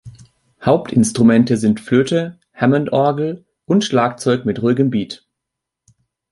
Hauptinstrumente sind Flöte, Hammond-Orgel und Schlagzeug mit ruhigem Beat.